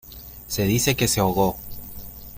Se dice que se ahogó.